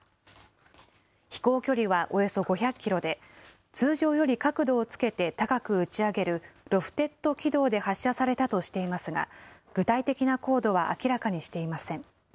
飛行距離はおよそ５００キロで、通常より角度をつけて高く打ち上げるロフテッド軌道で発射されたとしていますが、具体的な高度は明らかにしていません。